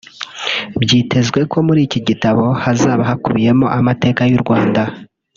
Byitezwe ko muri iki gitabo hazaba hakubiyemo amateka y’u Rwanda